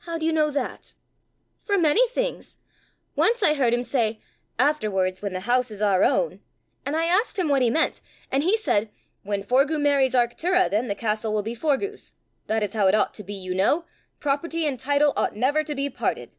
"How do you know that?" "From many things. Once I heard him say, 'Afterwards, when the house is our own,' and I asked him what he meant, and he said, 'When Forgue marries Arctura, then the castle will be Forgue's. That is how it ought to be, you know! Property and title ought never to be parted.